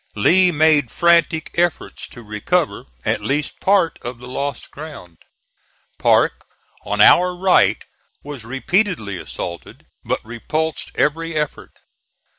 Lee made frantic efforts to recover at least part of the lost ground. Parke on our right was repeatedly assaulted, but repulsed every effort.